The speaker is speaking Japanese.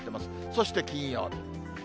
そして金曜日。